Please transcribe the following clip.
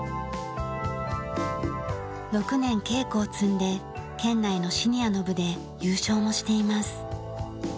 ６年稽古を積んで県内のシニアの部で優勝もしています。